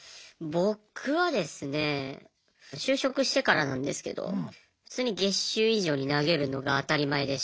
僕はですね就職してからなんですけど普通に月収以上に投げるのが当たり前でしたね。